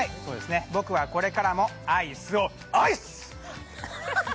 僕はこれからもアイスを愛す！